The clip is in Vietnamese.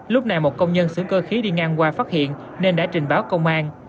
lúc này một công nhân xưởng cơ khí đi ngang qua phát hiện nên đã trình báo công an